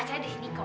acara di sini kok